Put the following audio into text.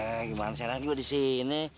eh gimana serang gua di sini